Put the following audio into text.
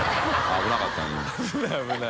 危なかったね